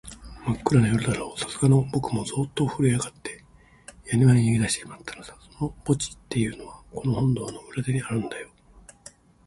まっくらな夜だろう、さすがのぼくもゾーッとふるえあがって、やにわに逃げだしてしまったのさ。その墓地っていうのは、この本堂の裏手にあるんだよ。